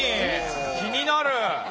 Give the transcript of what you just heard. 気になる！